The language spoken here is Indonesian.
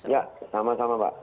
ya sama sama pak